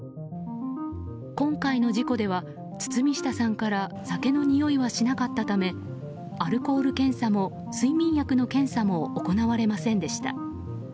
今回の事故では堤下さんから酒のにおいはしなかったためアルコール検査も睡眠薬の検査も行われませんでした。